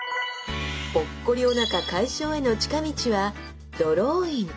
ポッコリおなか解消への近道はドローイン！